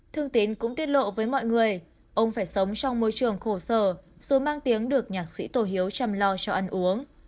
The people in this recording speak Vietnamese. thương tín cũng tiết lộ với mọi người ông phải sống trong môi trường khổ sở mang tiếng được nhạc sĩ tổ hiếu chăm lo cho ăn uống